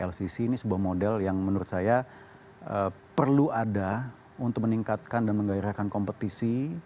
lcc ini sebuah model yang menurut saya perlu ada untuk meningkatkan dan menggairahkan kompetisi